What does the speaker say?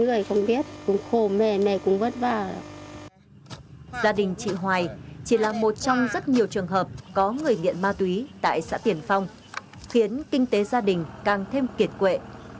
gia đình chị hoài chỉ là một trong rất nhiều trường hợp có người nghiện ma túy tại xã tiền phong khiến kinh tế gia đình càng thêm kiệt quệ